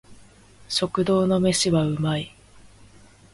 食堂の飯は美味い